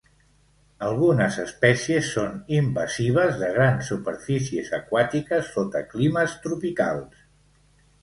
Algunes espècies són invasives de grans superfícies aquàtiques sota climes tropicals.